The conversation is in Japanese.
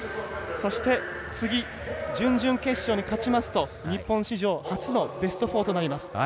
そして次準々決勝に勝ちますと日本史上初のベスト４になります。